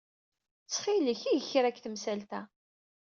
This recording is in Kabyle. Ttxil-k, eg kra deg temsalt-a.